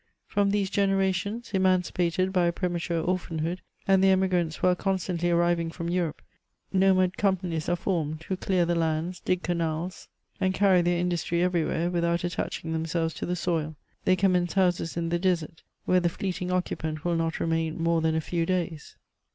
From these generations, emancipated by a premature orphanhood, and the emigrants who are constantly arriving from Europe, nomade com panies are formed, who clear the lands, dig canals, and carry their industry everywhere, without attaching themselves to the soil; they commence houses in the desert, where the fleeting occupant will not remain more than a few days.